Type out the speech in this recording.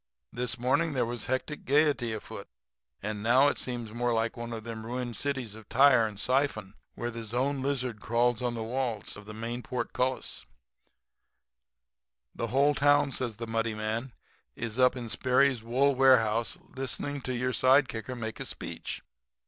This morning there was hectic gaiety afoot; and now it seems more like one of them ruined cities of Tyre and Siphon where the lone lizard crawls on the walls of the main port cullis.' "'The whole town,' says the muddy man, 'is up in Sperry's wool warehouse listening to your side kicker make a speech.